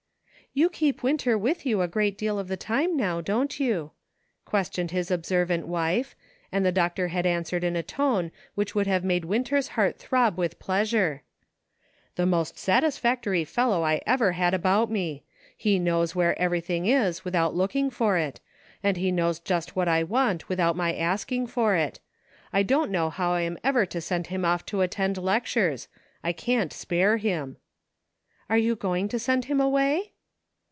" You keep Winter with you a great deal of the time now, don't you .''" questioned his observant wife, and the doctor had answered in a tone which would have made Winter's heart throb with pleas ure :" The most satisfactory fellow I ever had about me ; he knows where everything is without looking for it, and he knows just what I want without my asking for it ; I don't know how I am ever to send him off to attend lectures ; I can't spare him." '*■ Are you going to send him away